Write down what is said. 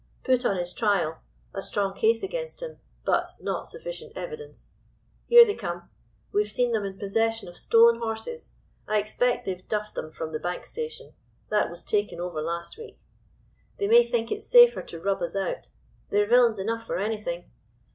Put on his trial—a strong case against him, but not sufficient evidence. Here they come. We've seen them in possession of stolen horses. I expect they've duffed them from that Bank station, that was taken over last week. They may think it safer to "rub us out." They're villains enough for anything.